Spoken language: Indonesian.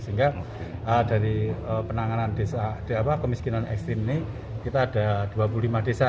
sehingga dari penanganan kemiskinan ekstrim ini kita ada dua puluh lima desa